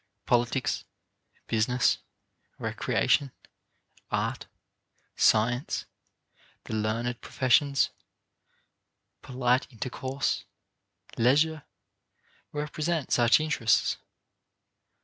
Politics, business, recreation, art, science, the learned professions, polite intercourse, leisure, represent such interests.